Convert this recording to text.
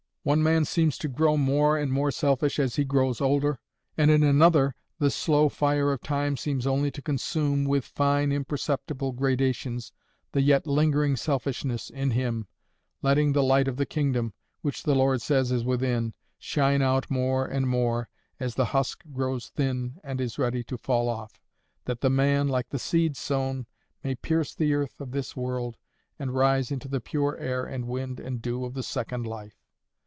One man seems to grow more and more selfish as he grows older; and in another the slow fire of time seems only to consume, with fine, imperceptible gradations, the yet lingering selfishness in him, letting the light of the kingdom, which the Lord says is within, shine out more and more, as the husk grows thin and is ready to fall off, that the man, like the seed sown, may pierce the earth of this world, and rise into the pure air and wind and dew of the second life.